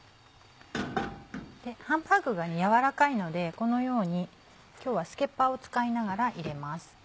ハンバーグが軟らかいのでこのように今日はスケッパーを使いながら入れます。